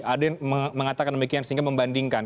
ada yang mengatakan demikian sehingga membandingkan